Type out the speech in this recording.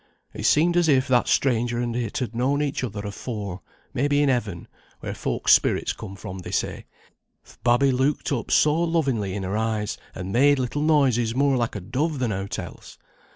It seemed as if that stranger and it had known each other afore, maybe in Heaven, where folk's spirits come from they say; th' babby looked up so lovingly in her eyes, and made little noises more like a dove than aught else.